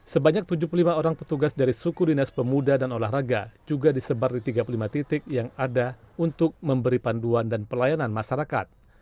sebanyak tujuh puluh lima orang petugas dari suku dinas pemuda dan olahraga juga disebar di tiga puluh lima titik yang ada untuk memberi panduan dan pelayanan masyarakat